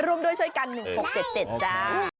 ร่วมด้วยช่วยกัน๑๖๗๗จ้า